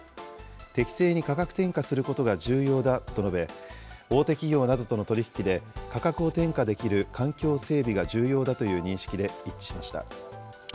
適正に価格転嫁することが重要だと述べ、大手企業などとの取り引きで価格を転嫁できる環境整備が重要だという認識で一致しました。